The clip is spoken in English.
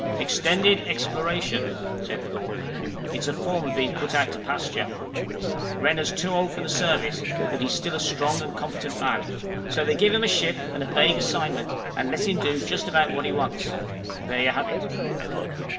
"Extended Exploration," said Thorne. "It's a form of being put out to pasture. Renner's too old for the Service, but he's still a strong and competent man. So they give him a ship, and a vague assignment, and let him do just about what he wants. There you have it."